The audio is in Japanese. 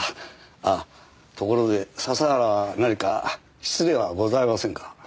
あところで笹原は何か失礼はございませんか？